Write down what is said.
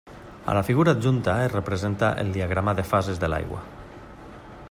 A la figura adjunta es representa el diagrama de fases de l'aigua.